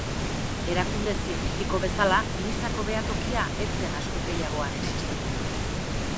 Erakunde zientifiko bezala, Nizako behatokia ez zen askoz gehiagoan existitu.